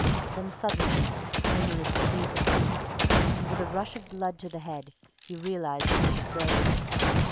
Then, suddenly, Amory perceived the feet, and with a rush of blood to the head he realized he was afraid.